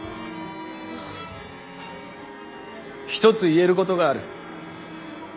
ひとつ言えることがある。